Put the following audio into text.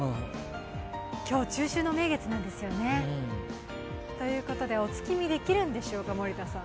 今日、中秋の名月なんですよね。ということで、お月見できるんでしょうか、森田さん。